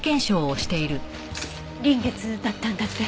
臨月だったんだって？